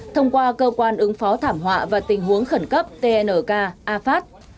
thông qua cơ quan ứng phó thảm họa và tình huống khẩn cấp tnk afat